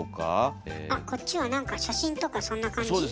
あっこっちは何か写真とかそんな感じ？